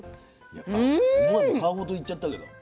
やっぱ思わず皮ごといっちゃったけど。